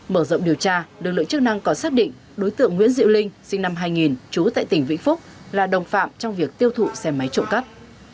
mở rộng điều tra lực lượng chức năng còn xác định đối tượng nguyễn diệu linh sinh năm hai nghìn trú tại tỉnh vĩnh phúc là đồng phạm trong việc tiêu thụ xe máy trộm cắp